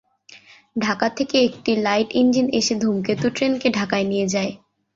ঢাকা থেকে একটি light engine এসে ধূমকেতু ট্রেনকে ঢাকায় নিয়ে যায়।